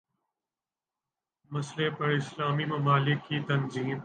مسئلے پر اسلامی ممالک کی تنظیم